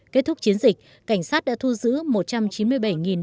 kết thúc chiến dịch cảnh sát đã thu giữ một trăm chín mươi bảy